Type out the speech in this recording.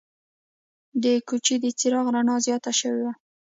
د کوڅې د چراغ رڼا زیاته شوې وه.